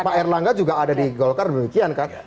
pak erlangga juga ada di golkar dan demikian kak